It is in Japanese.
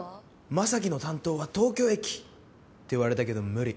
「将希の担当は東京駅！」って言われたけど無理。